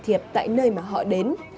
thiệp tại nơi mà họ đến